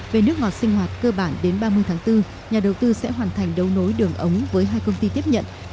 về nước ngọt sinh hoạt cơ bản đến ba mươi tháng bốn nhà đầu tư sẽ hoàn thành đấu nối đường ống với hai công ty tiếp nhận